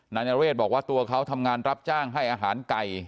นายนเรศบอกว่าตัวเขาทำงานรับจ้างให้อาหารไก่